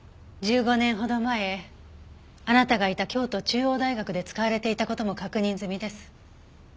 １５年ほど前あなたがいた京都中央大学で使われていた事も確認済みです。